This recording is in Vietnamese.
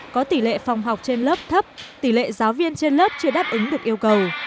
có tỷ lệ phòng học trên lớp thấp tỷ lệ giáo viên trên lớp chưa đáp ứng được yêu cầu